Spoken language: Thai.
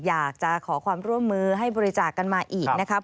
อยากจะขอความร่วมมือให้บริจาคกันมาอีกนะครับ